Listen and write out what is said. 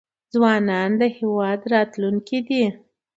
ځوانان د هیواد راتلونکی دی